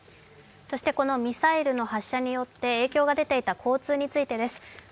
そしてこのミサイルの発射によって影響が出ていた交通についてです。